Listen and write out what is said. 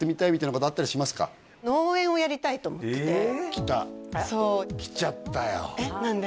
きたきちゃったよえっ何で？